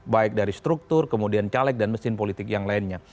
baik dari struktur kemudian caleg dan mesin politik yang lainnya